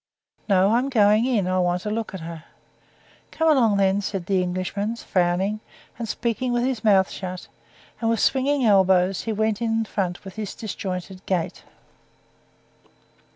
"No, I'm going in. I want to look at her." "Come along, then," said the Englishman, frowning, and speaking with his mouth shut, and, with swinging elbows, he went on in front with his disjointed gait.